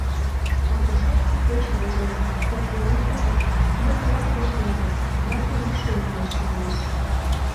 Акушерке пеш вожылын, «извинитлыза, мый йоҥылыш лийынам, вате йӱшӧ улмаш», — манеш.